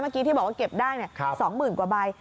เมื่อกี้ที่บอกว่าเก็บได้๒หมื่นกว่าใบ